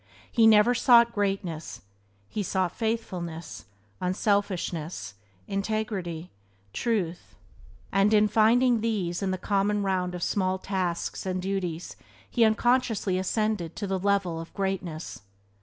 He never sought greatness; he sought Byways to Blessedness by James Allen 9 faithfulness, unselfishness, integrity, truth; and in finding these in the common round of small tasks and duties he unconsciously ascended to the level of greatness.